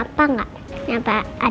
ada balang biru sebelum aku tidur